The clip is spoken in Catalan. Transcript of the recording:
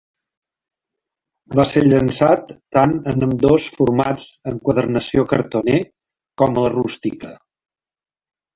Va ser llançat tant en ambdós formats enquadernació cartoné com a la rústica.